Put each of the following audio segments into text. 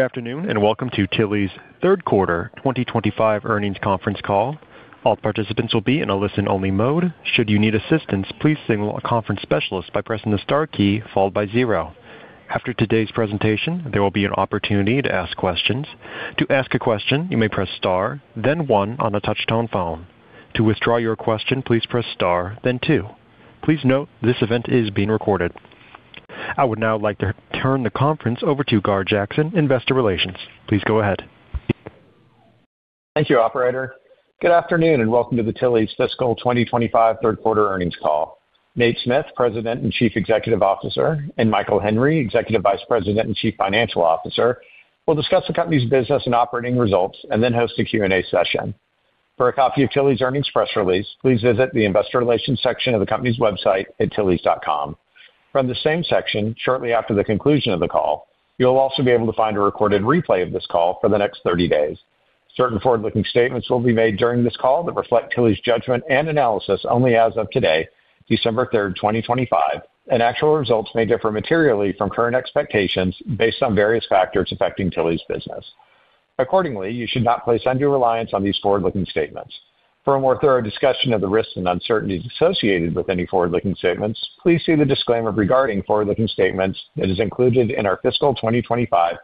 Good afternoon and welcome to Tilly's Third Quarter 2025 earnings conference call. All participants will be in a listen-only mode. Should you need assistance, please signal a conference specialist by pressing the star key followed by zero. After today's presentation, there will be an opportunity to ask questions. To ask a question, you may press star, then one on a touch-tone phone. To withdraw your question, please press star, then two. Please note this event is being recorded. I would now like to turn the conference over to Gar Jackson, Investor Relations. Please go ahead. Thank you, Operator. Good afternoon and welcome to the Tilly's Fiscal 2025 Third Quarter earnings call. Nate Smith, President and Chief Executive Officer, and Michael Henry, Executive Vice President and Chief Financial Officer, will discuss the company's business and operating results and then host a Q&A session. For a copy of Tilly's earnings press release, please visit the Investor Relations section of the company's website at tillys.com. From the same section, shortly after the conclusion of the call, you'll also be able to find a recorded replay of this call for the next 30 days. Certain forward-looking statements will be made during this call that reflect Tilly's judgment and analysis only as of today, December 3rd, 2025, and actual results may differ materially from current expectations based on various factors affecting Tilly's business. Accordingly, you should not place undue reliance on these forward-looking statements. For a more thorough discussion of the risks and uncertainties associated with any forward-looking statements, please see the disclaimer regarding forward-looking statements that is included in our Fiscal 2025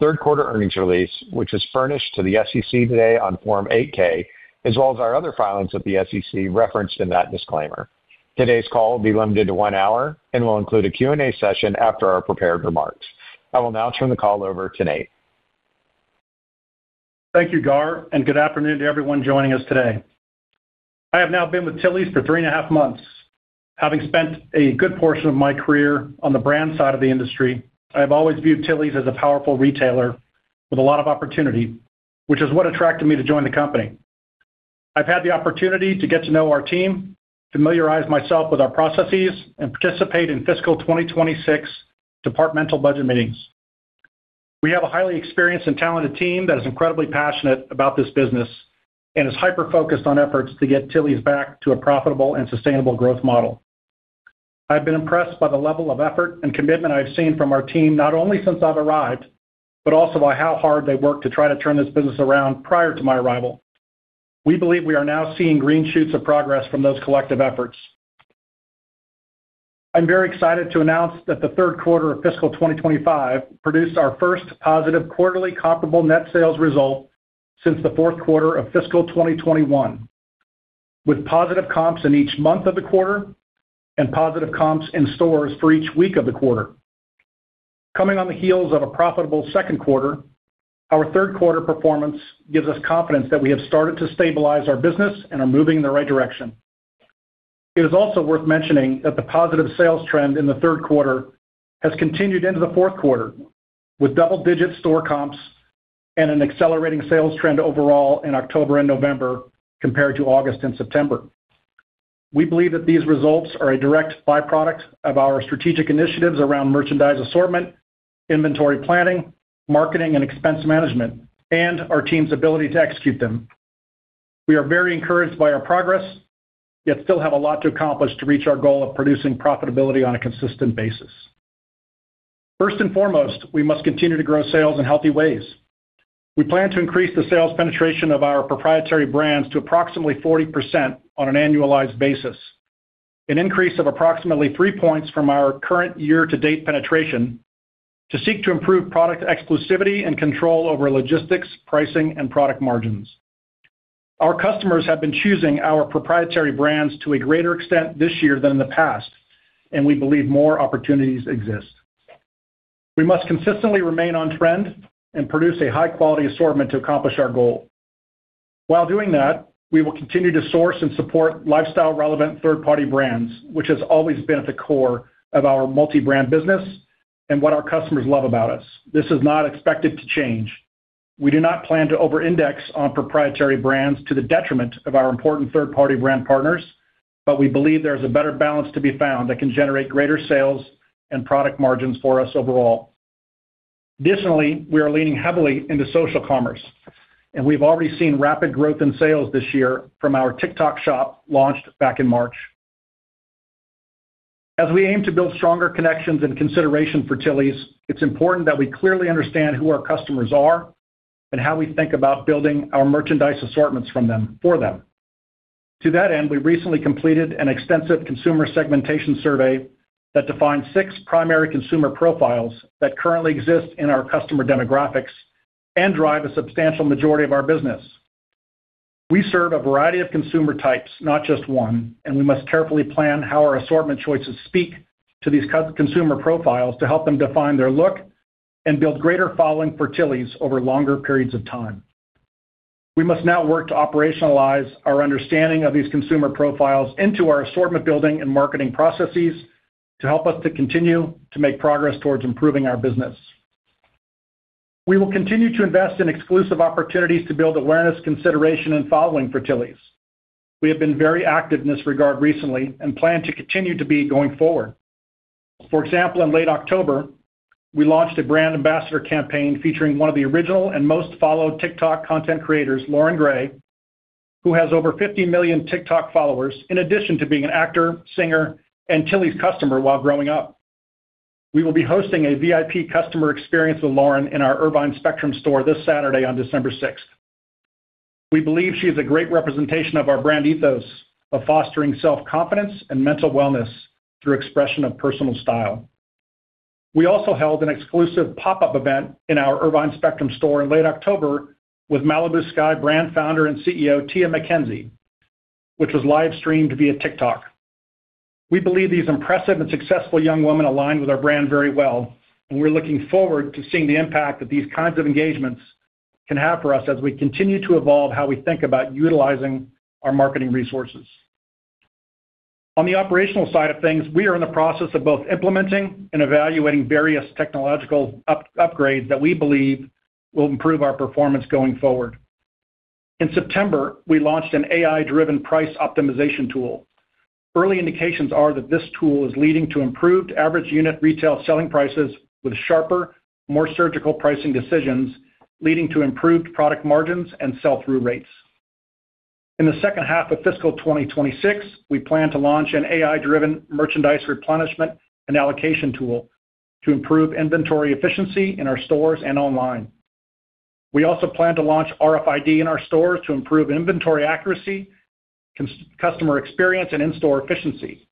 Third Quarter earnings release, which is furnished to the SEC today on Form 8-K, as well as our other filings at the SEC referenced in that disclaimer. Today's call will be limited to one hour and will include a Q&A session after our prepared remarks. I will now turn the call over to Nate. Thank you, Gar, and good afternoon to everyone joining us today. I have now been with Tilly's for three and a half months. Having spent a good portion of my career on the brand side of the industry, I have always viewed Tilly's as a powerful retailer with a lot of opportunity, which is what attracted me to join the company. I've had the opportunity to get to know our team, familiarize myself with our processes, and participate in Fiscal 2026 departmental budget meetings. We have a highly experienced and talented team that is incredibly passionate about this business and is hyper-focused on efforts to get Tilly's back to a profitable and sustainable growth model. I've been impressed by the level of effort and commitment I've seen from our team not only since I've arrived, but also by how hard they've worked to try to turn this business around prior to my arrival. We believe we are now seeing green shoots of progress from those collective efforts. I'm very excited to announce that the third quarter of Fiscal 2025 produced our first positive quarterly comparable net sales result since the fourth quarter of Fiscal 2021, with positive comps in each month of the quarter and positive comps in stores for each week of the quarter. Coming on the heels of a profitable second quarter, our third quarter performance gives us confidence that we have started to stabilize our business and are moving in the right direction. It is also worth mentioning that the positive sales trend in the third quarter has continued into the fourth quarter, with double-digit store comps and an accelerating sales trend overall in October and November compared to August and September. We believe that these results are a direct byproduct of our strategic initiatives around merchandise assortment, inventory planning, marketing, and expense management, and our team's ability to execute them. We are very encouraged by our progress, yet still have a lot to accomplish to reach our goal of producing profitability on a consistent basis. First and foremost, we must continue to grow sales in healthy ways. We plan to increase the sales penetration of our proprietary brands to approximately 40% on an annualized basis, an increase of approximately three points from our current year-to-date penetration, to seek to improve product exclusivity and control over logistics, pricing, and product margins. Our customers have been choosing our proprietary brands to a greater extent this year than in the past, and we believe more opportunities exist. We must consistently remain on trend and produce a high-quality assortment to accomplish our goal. While doing that, we will continue to source and support lifestyle-relevant third-party brands, which has always been at the core of our multi-brand business and what our customers love about us. This is not expected to change. We do not plan to over-index on proprietary brands to the detriment of our important third-party brand partners, but we believe there is a better balance to be found that can generate greater sales and product margins for us overall. Additionally, we are leaning heavily into social commerce, and we've already seen rapid growth in sales this year from our TikTok shop launched back in March. As we aim to build stronger connections and consideration for Tilly's, it's important that we clearly understand who our customers are and how we think about building our merchandise assortments for them. To that end, we recently completed an extensive consumer segmentation survey that defined six primary consumer profiles that currently exist in our customer demographics and drive a substantial majority of our business. We serve a variety of consumer types, not just one, and we must carefully plan how our assortment choices speak to these consumer profiles to help them define their look and build greater following for Tilly's over longer periods of time. We must now work to operationalize our understanding of these consumer profiles into our assortment building and marketing processes to help us to continue to make progress towards improving our business. We will continue to invest in exclusive opportunities to build awareness, consideration, and following for Tilly's. We have been very active in this regard recently and plan to continue to be going forward. For example, in late October, we launched a brand ambassador campaign featuring one of the original and most followed TikTok content creators, Loren Gray, who has over 50 million TikTok followers in addition to being an actor, singer, and Tilly's customer while growing up. We will be hosting a VIP customer experience with Loren in our Irvine Spectrum store this Saturday on December 6th. We believe she is a great representation of our brand ethos of fostering self-confidence and mental wellness through expression of personal style. We also held an exclusive pop-up event in our Irvine Spectrum store in late October with Malibu Sky brand founder and CEO, Tia McKenzie, which was live-streamed via TikTok. We believe these impressive and successful young women align with our brand very well, and we're looking forward to seeing the impact that these kinds of engagements can have for us as we continue to evolve how we think about utilizing our marketing resources. On the operational side of things, we are in the process of both implementing and evaluating various technological upgrades that we believe will improve our performance going forward. In September, we launched an AI-driven price optimization tool. Early indications are that this tool is leading to improved average unit retail selling prices with sharper, more surgical pricing decisions, leading to improved product margins and sell-through rates. In the second half of Fiscal 2026, we plan to launch an AI-driven merchandise replenishment and allocation tool to improve inventory efficiency in our stores and online. We also plan to launch RFID in our stores to improve inventory accuracy, customer experience, and in-store efficiency.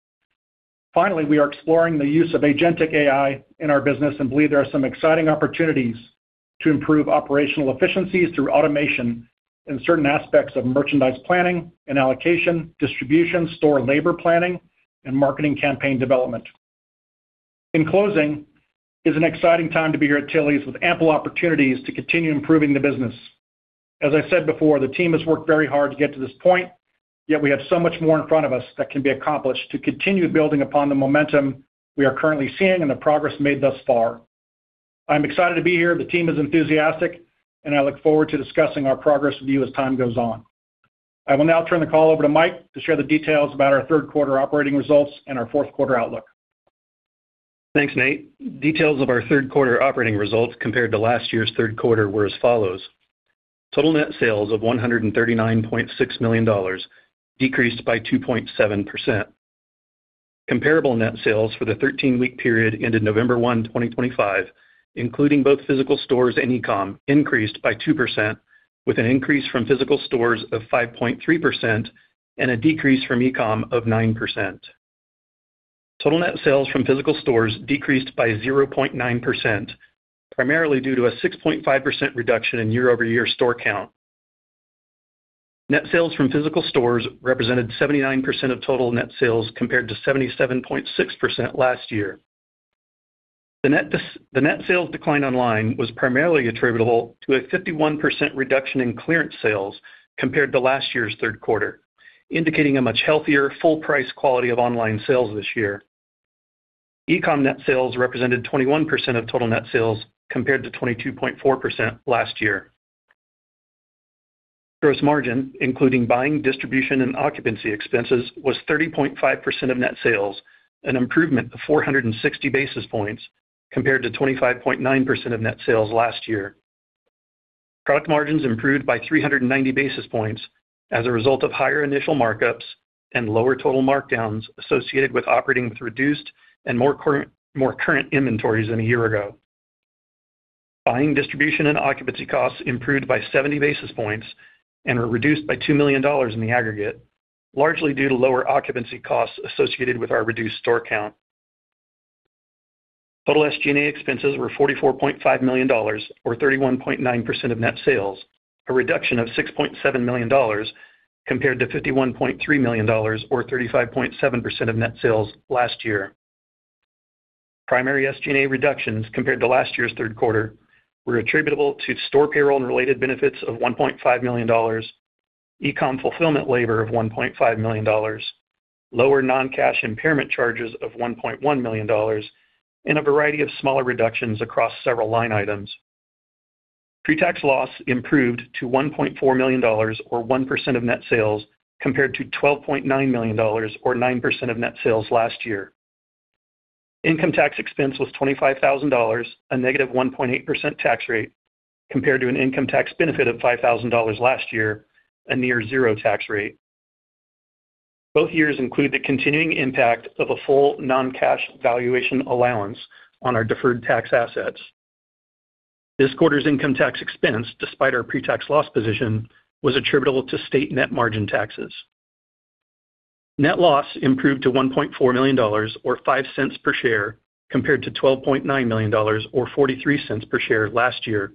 Finally, we are exploring the use of agentic AI in our business and believe there are some exciting opportunities to improve operational efficiencies through automation in certain aspects of merchandise planning and allocation, distribution, store labor planning, and marketing campaign development. In closing, it is an exciting time to be here at Tilly's with ample opportunities to continue improving the business. As I said before, the team has worked very hard to get to this point, yet we have so much more in front of us that can be accomplished to continue building upon the momentum we are currently seeing and the progress made thus far. I'm excited to be here. The team is enthusiastic, and I look forward to discussing our progress with you as time goes on. I will now turn the call over to Mike to share the details about our third quarter operating results and our fourth quarter outlook. Thanks, Nate. Details of our third quarter operating results compared to last year's third quarter were as follows: total net sales of $139.6 million decreased by 2.7%. Comparable net sales for the 13-week period ended November 1, 2025, including both physical stores and e-com, increased by 2%, with an increase from physical stores of 5.3% and a decrease from e-com of 9%. Total net sales from physical stores decreased by 0.9%, primarily due to a 6.5% reduction in year-over-year store count. Net sales from physical stores represented 79% of total net sales compared to 77.6% last year. The net sales decline online was primarily attributable to a 51% reduction in clearance sales compared to last year's third quarter, indicating a much healthier full-price quality of online sales this year. E-com net sales represented 21% of total net sales compared to 22.4% last year. Gross margin, including buying, distribution, and occupancy expenses, was 30.5% of net sales, an improvement of 460 basis points compared to 25.9% of net sales last year. Product margins improved by 390 basis points as a result of higher initial markups and lower total markdowns associated with operating with reduced and more current inventories than a year ago. Buying, distribution, and occupancy costs improved by 70 basis points and were reduced by $2 million in the aggregate, largely due to lower occupancy costs associated with our reduced store count. Total SG&A expenses were $44.5 million, or 31.9% of net sales, a reduction of $6.7 million compared to $51.3 million, or 35.7% of net sales last year. Primary SG&A reductions compared to last year's third quarter were attributable to store payroll and related benefits of $1.5 million, e-com fulfillment labor of $1.5 million, lower non-cash impairment charges of $1.1 million, and a variety of smaller reductions across several line items. Pre-tax loss improved to $1.4 million, or 1% of net sales, compared to $12.9 million, or 9% of net sales last year. Income tax expense was $25,000, a negative 1.8% tax rate, compared to an income tax benefit of $5,000 last year, a near-zero tax rate. Both years include the continuing impact of a full non-cash valuation allowance on our deferred tax assets. This quarter's income tax expense, despite our pre-tax loss position, was attributable to state net margin taxes. Net loss improved to $1.4 million, or $0.05 per share, compared to $12.9 million, or $0.43 per share last year,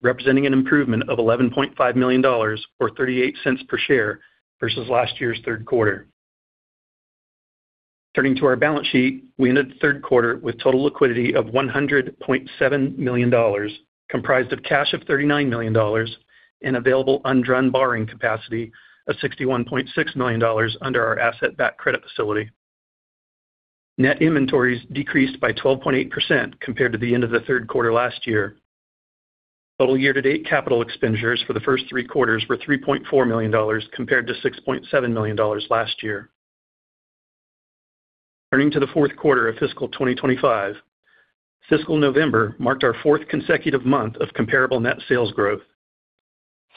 representing an improvement of $11.5 million, or $0.38 per share versus last year's third quarter. Turning to our balance sheet, we ended the third quarter with total liquidity of $100.7 million, comprised of cash of $39 million, and available unused borrowing capacity of $61.6 million under our asset-backed credit facility. Net inventories decreased by 12.8% compared to the end of the third quarter last year. Total year-to-date capital expenditures for the first three quarters were $3.4 million, compared to $6.7 million last year. Turning to the fourth quarter of Fiscal 2025, Fiscal November marked our fourth consecutive month of comparable net sales growth.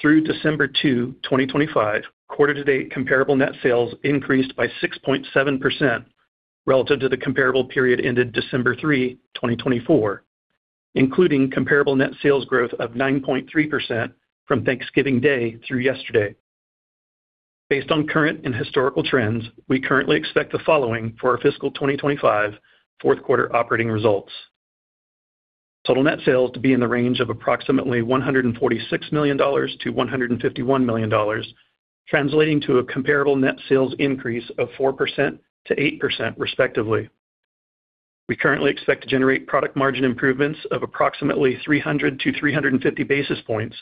Through December 2, 2025, quarter-to-date comparable net sales increased by 6.7% relative to the comparable period ended December 3, 2024, including comparable net sales growth of 9.3% from Thanksgiving Day through yesterday. Based on current and historical trends, we currently expect the following for our Fiscal 2025 fourth quarter operating results: total net sales to be in the range of approximately $146 million-$151 million, translating to a comparable net sales increase of 4%-8%, respectively. We currently expect to generate product margin improvements of approximately 300 basis point-350 basis points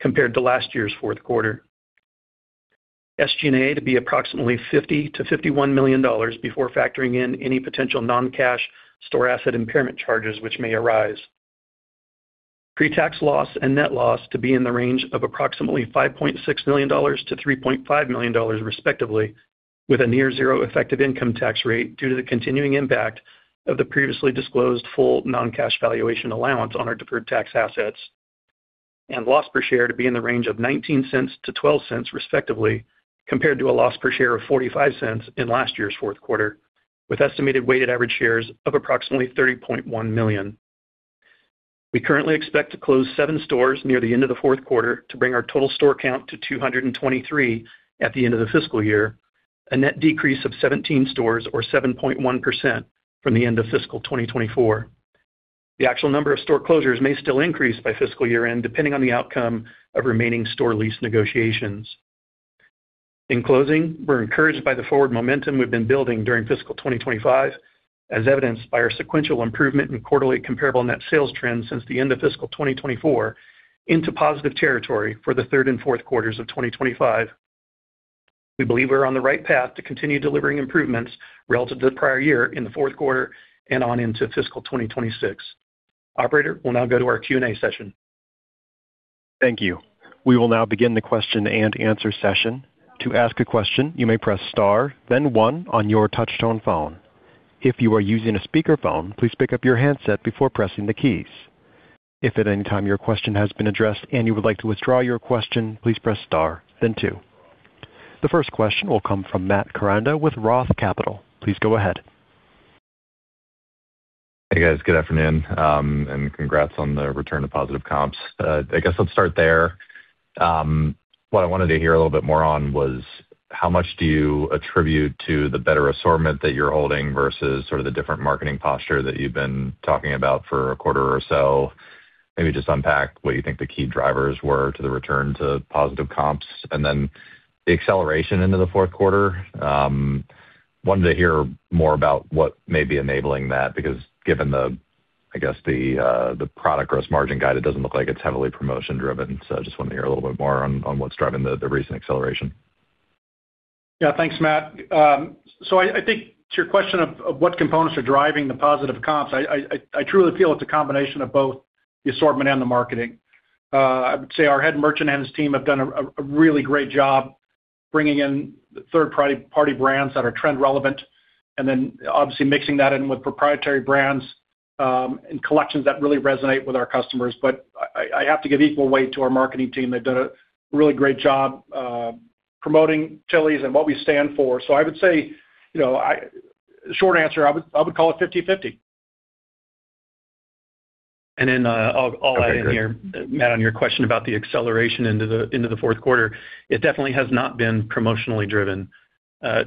compared to last year's fourth quarter. SG&A to be approximately $50 million-$51 million before factoring in any potential non-cash store asset impairment charges which may arise. Pre-tax loss and net loss to be in the range of approximately $5.6 million-$3.5 million, respectively, with a near-zero effective income tax rate due to the continuing impact of the previously disclosed full non-cash valuation allowance on our deferred tax assets. Loss per share to be in the range of $0.19-$0.12, respectively, compared to a loss per share of $0.45 in last year's fourth quarter, with estimated weighted average shares of approximately 30.1 million. We currently expect to close seven stores near the end of the fourth quarter to bring our total store count to 223 at the end of the fiscal year, a net decrease of 17 stores, or 7.1%, from the end of Fiscal 2024. The actual number of store closures may still increase by fiscal year-end, depending on the outcome of remaining store lease negotiations. In closing, we're encouraged by the forward momentum we've been building during Fiscal 2025, as evidenced by our sequential improvement in quarterly comparable net sales trends since the end of Fiscal 2024 into positive territory for the third and fourth quarters of 2025. We believe we're on the right path to continue delivering improvements relative to the prior year in the fourth quarter and on into Fiscal 2026. Operator will now go to our Q&A session. Thank you. We will now begin the question and answer session. To ask a question, you may press star, then one on your touch-tone phone. If you are using a speakerphone, please pick up your handset before pressing the keys. If at any time your question has been addressed and you would like to withdraw your question, please press star, then two. The first question will come from Matt Koranda with Roth Capital. Please go ahead. Hey, guys. Good afternoon, and congrats on the return to positive comps. I guess I'll start there. What I wanted to hear a little bit more on was how much do you attribute to the better assortment that you're holding versus sort of the different marketing posture that you've been talking about for a quarter or so? Maybe just unpack what you think the key drivers were to the return to positive comps and then the acceleration into the fourth quarter. Wanted to hear more about what may be enabling that because given the, I guess, the product gross margin guide, it doesn't look like it's heavily promotion-driven. So I just wanted to hear a little bit more on what's driving the recent acceleration. Yeah, thanks, Matt. So I think to your question of what components are driving the positive comps, I truly feel it's a combination of both the assortment and the marketing. I would say our head merchant and his team have done a really great job bringing in third-party brands that are trend-relevant and then obviously mixing that in with proprietary brands and collections that really resonate with our customers. But I have to give equal weight to our marketing team. They've done a really great job promoting Tilly's and what we stand for. So I would say short answer, I would call it 50/50. And then I'll add in here, Matt, on your question about the acceleration into the fourth quarter. It definitely has not been promotionally driven.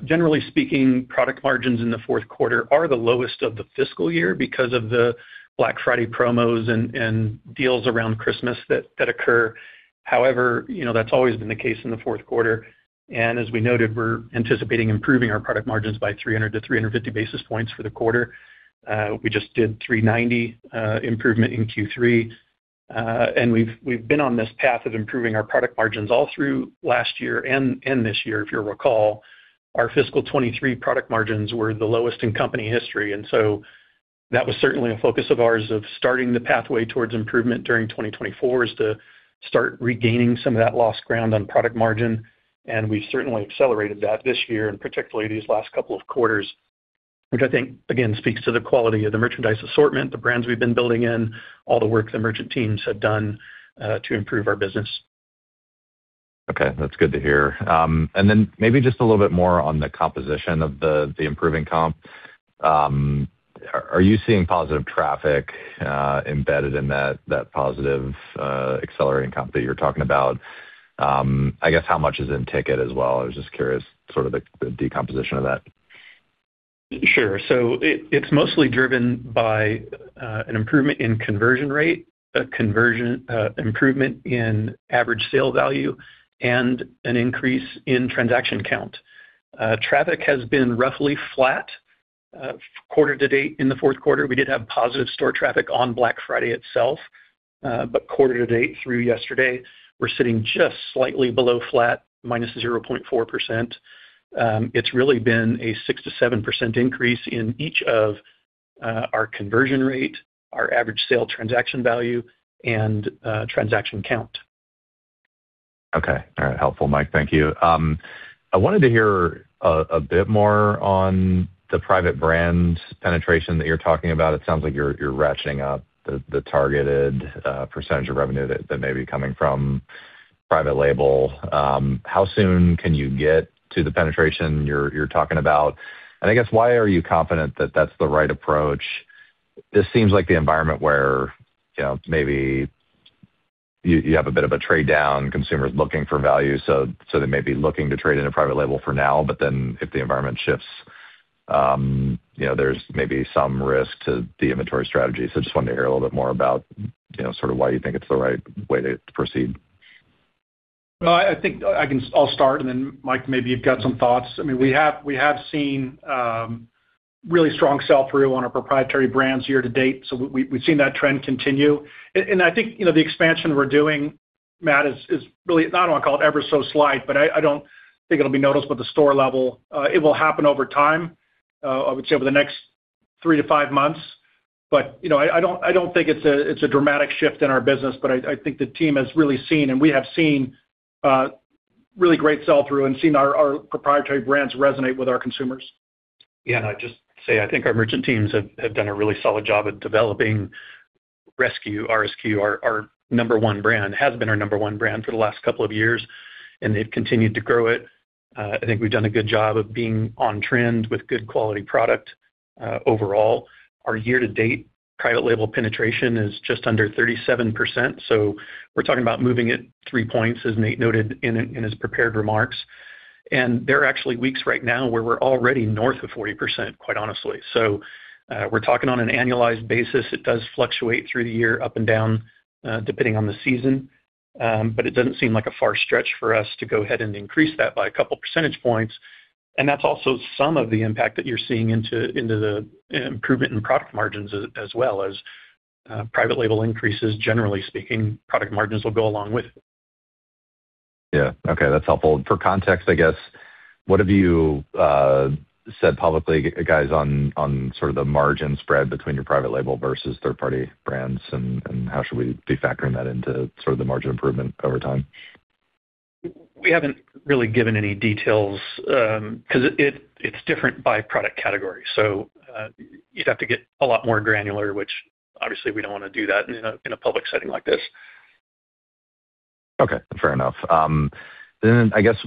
Generally speaking, product margins in the fourth quarter are the lowest of the fiscal year because of the Black Friday promos and deals around Christmas that occur. However, that's always been the case in the fourth quarter. And as we noted, we're anticipating improving our product margins by 300 basis point-350 basis points for the quarter. We just did 390 improvement in Q3. And we've been on this path of improving our product margins all through last year and this year, if you recall. Our fiscal 2023 product margins were the lowest in company history. And so that was certainly a focus of ours of starting the pathway towards improvement during 2024 is to start regaining some of that lost ground on product margin. We've certainly accelerated that this year and particularly these last couple of quarters, which I think, again, speaks to the quality of the merchandise assortment, the brands we've been building in, all the work the merchant teams have done to improve our business. Okay. That's good to hear. And then maybe just a little bit more on the composition of the improving comp. Are you seeing positive traffic embedded in that positive accelerating comp that you're talking about? I guess how much is in ticket as well? I was just curious sort of the decomposition of that. Sure. So it's mostly driven by an improvement in conversion rate, a conversion improvement in average sale value, and an increase in transaction count. Traffic has been roughly flat quarter to date in the fourth quarter. We did have positive store traffic on Black Friday itself, but quarter to date through yesterday, we're sitting just slightly below flat, minus 0.4%. It's really been a 6%-7% increase in each of our conversion rate, our average sale transaction value, and transaction count. Okay. All right. Helpful, Mike. Thank you. I wanted to hear a bit more on the private brand penetration that you're talking about. It sounds like you're ratcheting up the targeted percentage of revenue that may be coming from private label. How soon can you get to the penetration you're talking about? And I guess, why are you confident that that's the right approach? This seems like the environment where maybe you have a bit of a trade-down, consumers looking for value. So they may be looking to trade into private label for now, but then if the environment shifts, there's maybe some risk to the inventory strategy. So I just wanted to hear a little bit more about sort of why you think it's the right way to proceed. I think I'll start, and then Mike, maybe you've got some thoughts. I mean, we have seen really strong sell-through on our proprietary brands year to date. So we've seen that trend continue. And I think the expansion we're doing, Matt, is really not, I don't want to call it ever so slight, but I don't think it'll be noticed with the store level. It will happen over time, I would say, over the next three to five months. But I don't think it's a dramatic shift in our business, but I think the team has really seen, and we have seen really great sell-through and seen our proprietary brands resonate with our consumers. Yeah. And I'd just say I think our merchant teams have done a really solid job at developing RSQ. Our number one brand has been our number one brand for the last couple of years, and they've continued to grow it. I think we've done a good job of being on trend with good quality product overall. Our year-to-date private label penetration is just under 37%. So we're talking about moving it three points, as Nate noted in his prepared remarks. And there are actually weeks right now where we're already north of 40%, quite honestly. So we're talking on an annualized basis. It does fluctuate through the year up and down depending on the season, but it doesn't seem like a far stretch for us to go ahead and increase that by a couple of percentage points. And that's also some of the impact that you're seeing into the improvement in product margins as well as private label increases. Generally speaking, product margins will go along with it. Yeah. Okay. That's helpful. For context, I guess, what have you said publicly, guys, on sort of the margin spread between your private label versus third-party brands, and how should we be factoring that into sort of the margin improvement over time? We haven't really given any details because it's different by product category. So you'd have to get a lot more granular, which obviously we don't want to do that in a public setting like this. Okay. Fair enough. Then I guess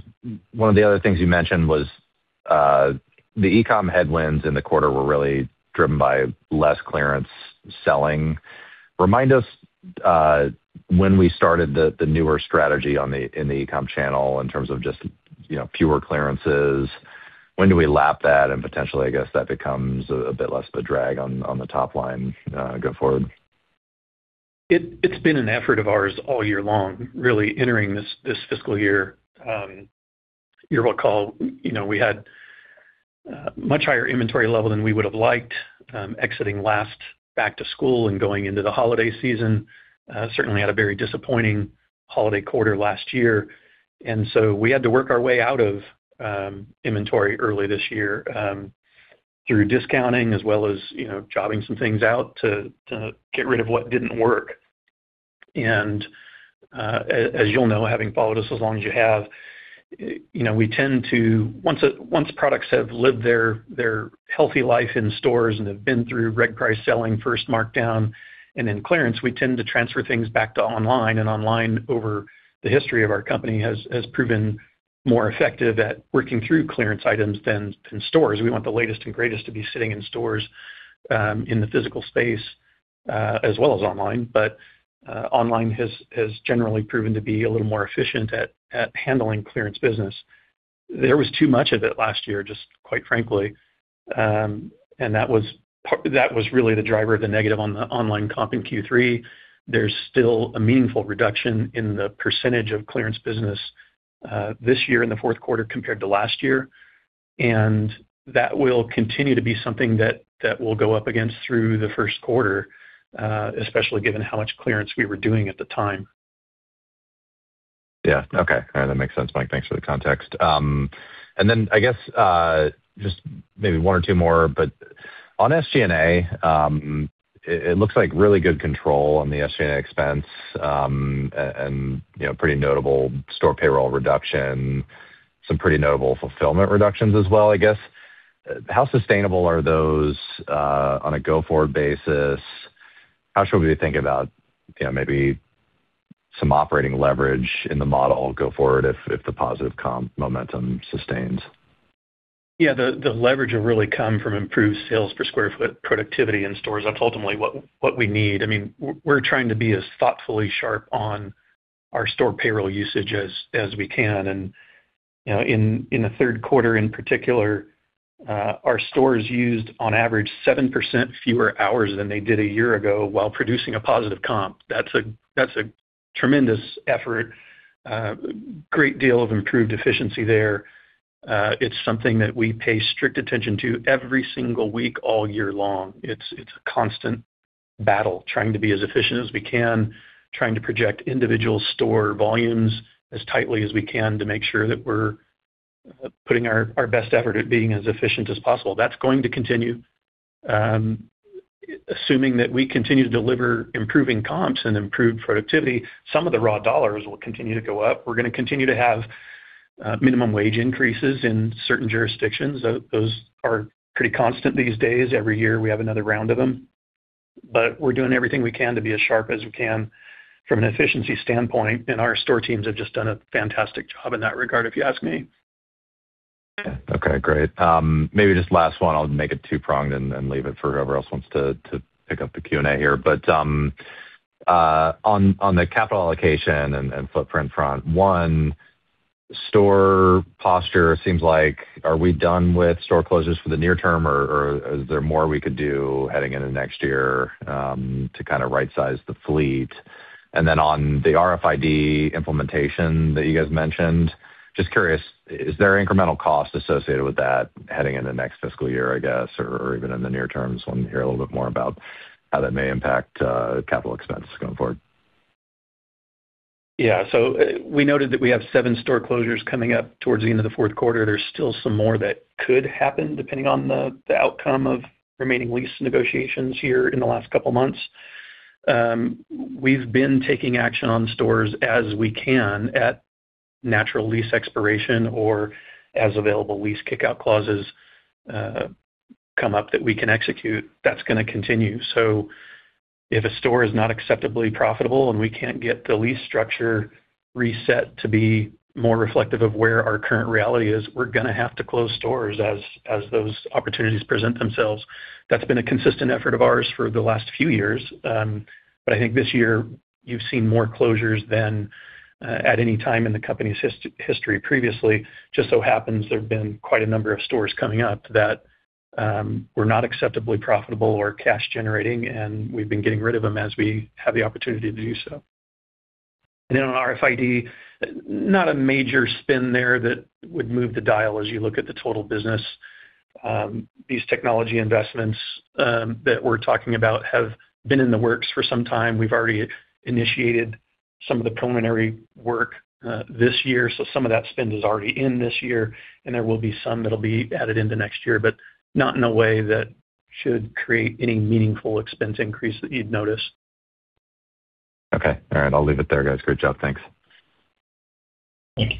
one of the other things you mentioned was the e-com headwinds in the quarter were really driven by less clearance selling. Remind us when we started the newer strategy in the e-com channel in terms of just fewer clearances? When do we lap that, and potentially, I guess, that becomes a bit less of a drag on the top line going forward? It's been an effort of ours all year long, really entering this fiscal year. You'll recall we had a much higher inventory level than we would have liked, exiting last back to school and going into the holiday season. Certainly had a very disappointing holiday quarter last year, and so we had to work our way out of inventory early this year through discounting as well as jobbing some things out to get rid of what didn't work. And as you'll know, having followed us as long as you have, we tend to, once products have lived their healthy life in stores and have been through red price selling, first markdown, and then clearance, we tend to transfer things back to online, and online, over the history of our company, has proven more effective at working through clearance items than stores. We want the latest and greatest to be sitting in stores in the physical space as well as online. But online has generally proven to be a little more efficient at handling clearance business. There was too much of it last year, just quite frankly. And that was really the driver of the negative on the online comp in Q3. There's still a meaningful reduction in the percentage of clearance business this year in the fourth quarter compared to last year. And that will continue to be something that we'll go up against through the first quarter, especially given how much clearance we were doing at the time. Yeah. Okay. All right. That makes sense, Mike. Thanks for the context. And then I guess just maybe one or two more, but on SG&A, it looks like really good control on the SG&A expense and pretty notable store payroll reduction, some pretty notable fulfillment reductions as well, I guess. How sustainable are those on a go-forward basis? How should we think about maybe some operating leverage in the model go forward if the positive comp momentum sustains? Yeah. The leverage will really come from improved sales per square foot productivity in stores. That's ultimately what we need. I mean, we're trying to be as thoughtfully sharp on our store payroll usage as we can. And in the third quarter in particular, our stores used on average 7% fewer hours than they did a year ago while producing a positive comp. That's a tremendous effort, great deal of improved efficiency there. It's something that we pay strict attention to every single week, all year long. It's a constant battle trying to be as efficient as we can, trying to project individual store volumes as tightly as we can to make sure that we're putting our best effort at being as efficient as possible. That's going to continue. Assuming that we continue to deliver improving comps and improved productivity, some of the raw dollars will continue to go up. We're going to continue to have minimum wage increases in certain jurisdictions. Those are pretty constant these days. Every year, we have another round of them. But we're doing everything we can to be as sharp as we can from an efficiency standpoint. And our store teams have just done a fantastic job in that regard, if you ask me. Okay. Great. Maybe just last one. I'll make it two-pronged and leave it for whoever else wants to pick up the Q&A here. But on the capital allocation and footprint front, our store posture seems like, are we done with store closures for the near term, or is there more we could do heading into next year to kind of right-size the fleet? And then on the RFID implementation that you guys mentioned, just curious, is there incremental cost associated with that heading into next fiscal year, I guess, or even in the near term? Just wanted to hear a little bit more about how that may impact capital expense going forward. Yeah. So we noted that we have seven store closures coming up towards the end of the fourth quarter. There's still some more that could happen depending on the outcome of remaining lease negotiations here in the last couple of months. We've been taking action on stores as we can at natural lease expiration or as available lease kickout clauses come up that we can execute. That's going to continue. So if a store is not acceptably profitable and we can't get the lease structure reset to be more reflective of where our current reality is, we're going to have to close stores as those opportunities present themselves. That's been a consistent effort of ours for the last few years. But I think this year you've seen more closures than at any time in the company's history previously. Just so happens there have been quite a number of stores coming up that were not acceptably profitable or cash-generating, and we've been getting rid of them as we have the opportunity to do so, and then on RFID, not a major spin there that would move the dial as you look at the total business. These technology investments that we're talking about have been in the works for some time. We've already initiated some of the preliminary work this year, so some of that spend is already in this year, and there will be some that'll be added into next year, but not in a way that should create any meaningful expense increase that you'd notice. Okay. All right. I'll leave it there, guys. Great job. Thanks. Thank you.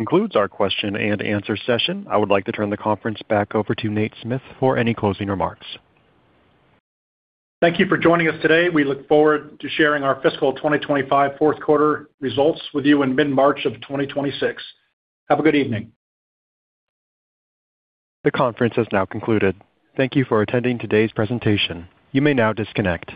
Concludes our question and answer session. I would like to turn the conference back over to Nate Smith for any closing remarks. Thank you for joining us today. We look forward to sharing our fiscal 2025 fourth quarter results with you in mid-March of 2026. Have a good evening. The conference has now concluded. Thank you for attending today's presentation. You may now disconnect.